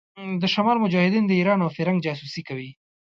د شمال مجاهدين د ايران او فرنګ جاسوسي کوي.